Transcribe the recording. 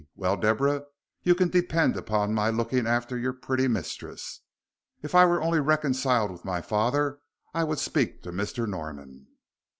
Well, Deborah, you can depend upon my looking after your pretty mistress. If I were only reconciled with my father I would speak to Mr. Norman."